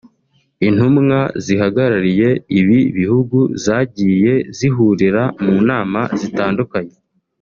intumwa zihagarariye ibi bihugu zagiye zihurira mu nama zitandukanye